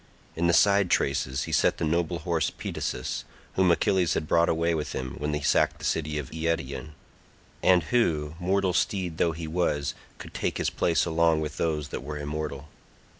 In the side traces he set the noble horse Pedasus, whom Achilles had brought away with him when he sacked the city of Eetion, and who, mortal steed though he was, could take his place along with those that were immortal.